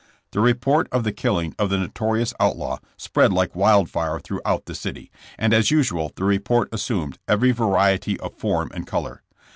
The report of the killing of the notorious out law spread like wildfire throughout the city, and as usual the report assumed every variety of form and color.